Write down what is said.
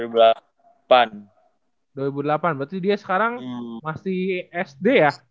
berarti dia sekarang masih sd ya